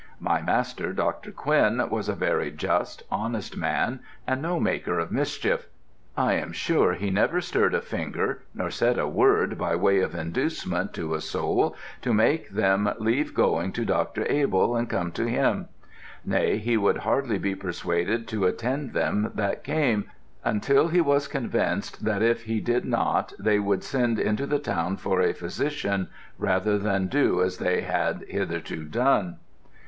My master, Dr. Quinn, was a very just, honest man, and no maker of mischief. I am sure he never stirred a finger nor said a word by way of inducement to a soul to make them leave going to Dr. Abell and come to him; nay, he would hardly be persuaded to attend them that came, until he was convinced that if he did not they would send into the town for a physician rather than do as they had hitherto done.